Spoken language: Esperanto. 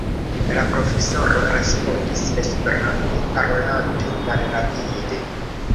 La profesoro respondis Esperante, parolante malrapide: